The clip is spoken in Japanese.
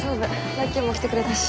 ラッキーも来てくれたし。